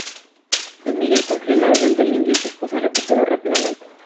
Don Miguel cumplió la orden del indio y su esposa se recuperó rápidamente.